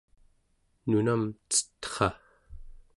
nunam cetra